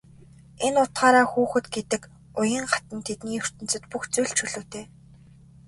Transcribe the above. Энэ утгаараа хүүхэд гэдэг уян хатан тэдний ертөнцөд бүх зүйл чөлөөтэй.